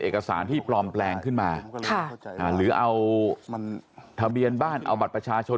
เอกสารที่ปลอมแปลงขึ้นมาหรือเอาทะเบียนบ้านเอาบัตรประชาชน